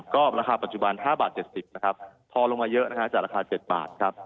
ก็ราคาปัจจุบัน๕๗๐บาทพอลงมาเยอะนะฮะจากราคา๗บาท